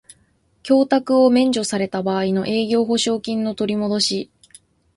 供託を免除された場合の営業保証金の取りもどし